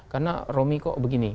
karena romi kok begini